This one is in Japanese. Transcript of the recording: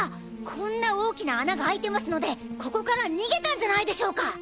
こんな大きな穴が開いてますのでここから逃げたんじゃないでしょうか？